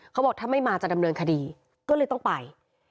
เขาบอกถ้าไม่มาจะดำเนินคดีก็เลยต้องไป